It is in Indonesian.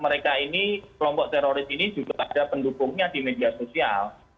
mereka ini kelompok teroris ini juga ada pendukungnya di media sosial